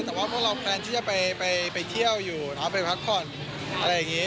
แต่ว่าพวกเราแพลนที่จะไปเที่ยวอยู่เอาไปพักผ่อนอะไรอย่างนี้